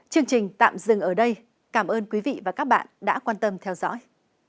chương trình tạm dừng ở đây cảm ơn quý vị và các bạn đã quan tâm theo dõi